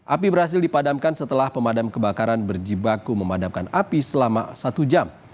api berhasil dipadamkan setelah pemadam kebakaran berjibaku memadamkan api selama satu jam